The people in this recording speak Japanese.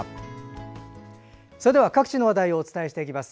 各地の話題をお伝えしていきます。